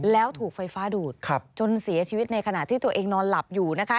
แล้วถูกไฟฟ้าดูดจนเสียชีวิตในขณะที่ตัวเองนอนหลับอยู่นะคะ